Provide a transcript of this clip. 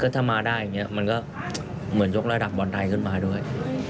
ถ้ามาได้อย่างนี้มันก็เหมือนยกระดับบอลไทยขึ้นมาด้วย